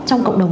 trong cộng đồng